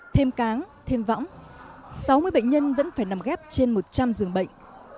thêm cáng thêm võng sáu mươi bệnh nhân vẫn phải nằm ghép trên một trăm linh giường bệnh